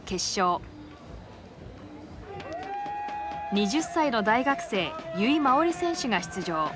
２０歳の大学生由井真緒里選手が出場。